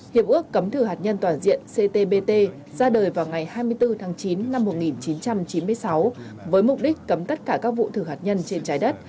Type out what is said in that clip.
hiệp ước cấm thử hạt nhân toàn diện ctbt ra đời vào ngày hai mươi bốn tháng chín năm một nghìn chín trăm chín mươi sáu với mục đích cấm tất cả các vụ thử hạt nhân trên trái đất